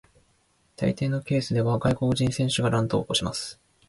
大抵のケースでは外国人選手が乱闘を起こします。